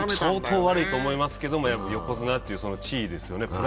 相当悪いと思いますけど、横綱という地位ですよね